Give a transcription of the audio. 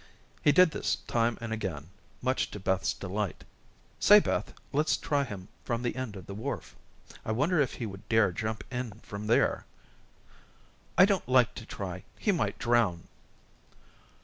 He did this time and again, much to Beth's delight. "Say, Beth, let's try him from the end of the wharf. I wonder if he would dare jump in from there." "I don't like to try. He might drown."